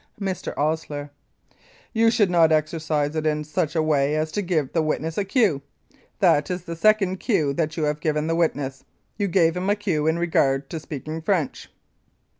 Mr* OSLER : You should not exercise it in such a way as to give the witness a cue. That is the second cue that you have given the witness. You gave him a cue in regard to speaking French.